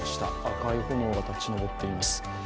赤い炎が立ち上っています。